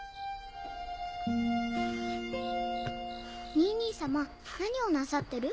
ニイ兄様何をなさってる？